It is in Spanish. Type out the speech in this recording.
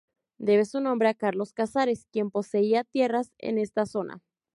Debe su nombre a Carlos Casares, quien poseía tierras en esta zona.